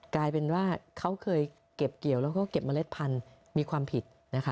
กลายเป็นว่าเขาเคยเก็บเกี่ยวแล้วก็เก็บเมล็ดพันธุ์มีความผิดนะคะ